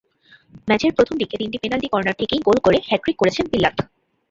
ম্যাচের প্রথম দিকে তিনটি পেনাল্টি কর্নার থেকেই গোল করে হ্যাটট্রিক করেছেন পিল্লাত।